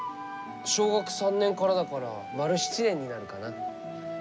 小学３年からだから丸７年になるかな。